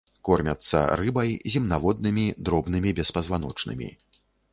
Кормяцца рыбай, земнаводнымі, дробнымі беспазваночнымі.